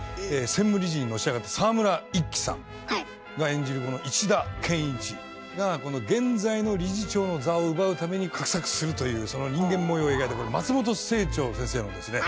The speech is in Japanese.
専務理事にのし上がった沢村一樹さんが演じるこの石田謙一がこの現在の理事長の座を奪うために画策するというその人間模様を描いたこれ松本清張先生のですね